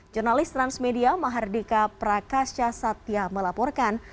jurnalis transmedia mahardika prakasya satya melaporkan